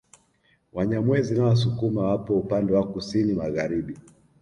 Wanyamwezi na Wasukuma wapo upande wa Kusini magharibi